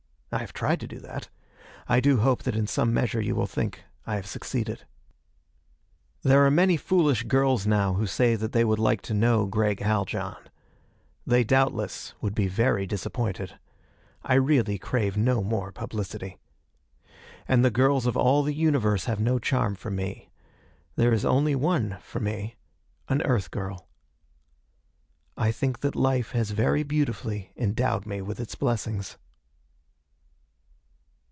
I have tried to do that. I do hope that in some measure you will think I have succeeded. There are many foolish girls now who say that they would like to know Gregg Haljan. They doubtless would be very disappointed. I really crave no more publicity. And the girls of all the Universe have no charm for me. There is only one, for me an Earth girl. I think that life has very beautifully endowed me with its blessings.